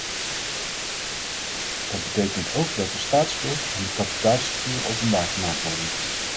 Dat betekent ook dat de staatsschuld en de kapitaalstructuur openbaar gemaakt worden.